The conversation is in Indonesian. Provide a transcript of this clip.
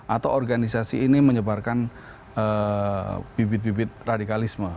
atau organisasi ini menyebarkan bibit bibit radikalisme